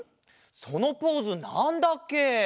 そのポーズなんだっけ？